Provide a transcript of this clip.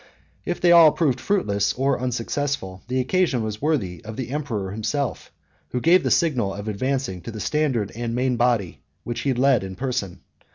If they all proved fruitless or unsuccessful, the occasion was worthy of the emperor himself, who gave the signal of advancing to the standard and main body, which he led in person.